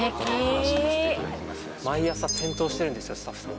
毎朝点灯してるんですよ、スタッフが。